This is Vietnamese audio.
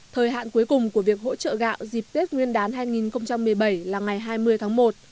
thời hạn cuối cùng của việc hỗ trợ gạo dịp tết nguyên đán hai nghìn một mươi bảy là ngày hai mươi tháng một